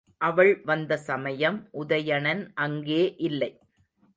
அவள் வந்த சமயம் உதயணன் அங்கே இல்லை.